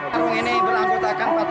harung ini berangkut akan empat tiga ratus